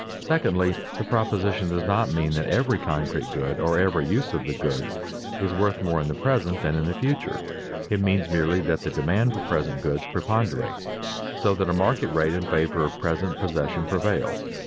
Secondly, the proposition does not mean that every concrete good, or every use of the goods, is worth more in the present than in the future; it means merely that the demand for present goods preponderates so that a market rate in favor of present possession prevails.